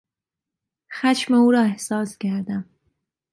خشم او را احساس کردم.